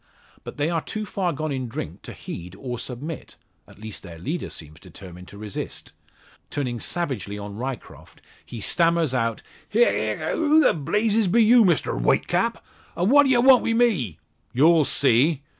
But they are too far gone in drink to heed or submit at least their leader seems determined to resist. Turning savagely on Ryecroft, he stammers out "Hic ic who the blazes be you, Mr White Cap! An' what d'ye want wi' me?" "You'll see."